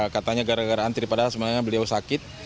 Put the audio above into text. katanya gara gara antri padahal sebenarnya beliau sakit